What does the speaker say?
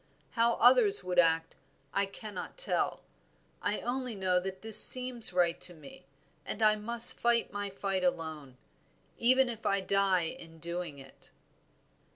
How others would act I cannot tell, I only know that this seems right to me; and I must fight my fight alone, even if I die in doing it."